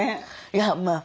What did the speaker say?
いやまあ